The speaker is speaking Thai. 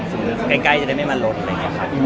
ความคลุกก็จะมีปัญหา